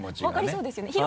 分かりそうですよね。